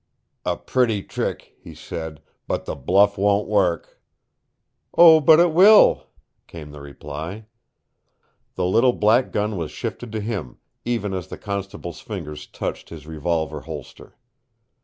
"A pretty trick," he said, "but the bluff won't work!" "Oh, but it will!" came the reply. The little black gun was shifted to him, even as the constable's fingers touched his revolver holster.